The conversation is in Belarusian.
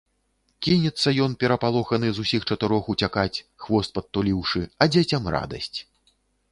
Кінецца ён, перапалоханы, з усіх чатырох уцякаць, хвост падтуліўшы, а дзецям радасць.